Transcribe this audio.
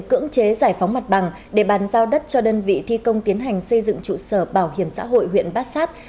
cưỡng chế giải phóng mặt bằng để bàn giao đất cho đơn vị thi công tiến hành xây dựng trụ sở bảo hiểm xã hội huyện bát sát